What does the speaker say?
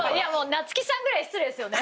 夏木さんぐらい失礼ですよね。